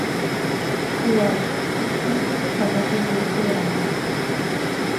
Lloyd, ওখান থেকে সবাইকে বের করে আনো।